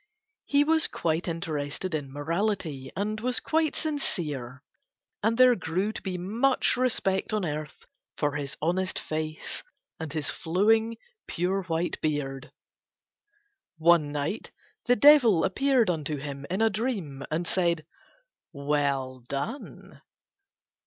He was quite interested in morality and was quite sincere and there grew to be much respect on Earth for his honest face and his flowing pure white beard. One night the Devil appeared unto him in a dream and said "Well done."